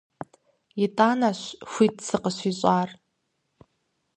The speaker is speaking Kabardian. ИтӀанэщ хуит сыкъыщищӀар.